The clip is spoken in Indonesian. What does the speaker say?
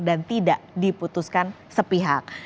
dan tidak diputuskan sepihak